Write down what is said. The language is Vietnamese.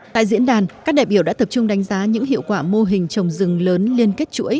tại diễn đàn các đại biểu đã tập trung đánh giá những hiệu quả mô hình trồng rừng lớn liên kết chuỗi